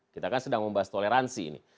kita kan sedang membahas toleransi ini